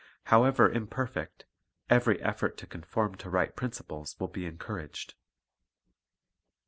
How ever imperfect, every effort to conform to right prin ciples will be encouraged.